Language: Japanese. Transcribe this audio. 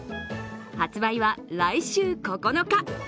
発売は来週９日。